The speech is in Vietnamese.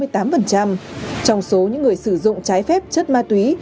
trong số những người sử dụng trái phép chất ma túy